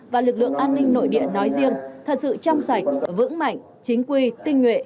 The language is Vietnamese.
và lực lượng an ninh nội địa nói riêng thật sự trong sạch vững mạnh chính quy tinh nguyện